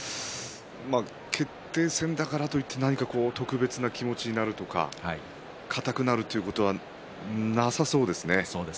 決定戦だからといって何か特別な気持ちになるとか硬くなるということはなさそうですね。